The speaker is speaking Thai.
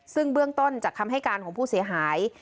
ซึ่งเบื้องต้นจากคำให้การของผู้เสียหาย